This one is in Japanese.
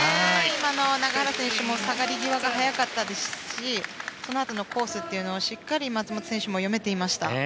今のは永原選手も下がり際が早かったですしそのあとのコースをしっかり松本選手も読めていました。